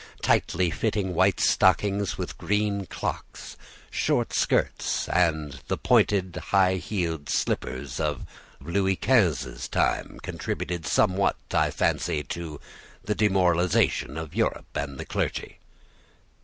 Tightly fitting white stockings with green clocks, short skirts, and the pointed, high heeled slippers of Louis XV.'s time contributed somewhat, I fancy, to the demoralization of Europe and the clergy."